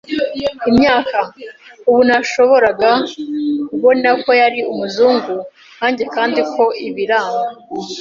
imyaka. ” Ubu nashoboraga kubona ko yari umuzungu nkanjye kandi ko ibiranga